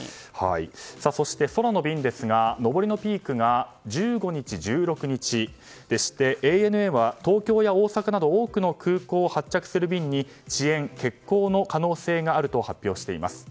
そして空の便ですが上りのピークが１５日、１６日でしてＡＮＡは東京や大阪など多くの空港を発着する便に遅延・欠航の可能性があると発表しています。